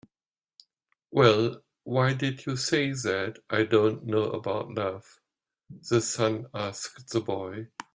"Well, why did you say that I don't know about love?" the sun asked the boy.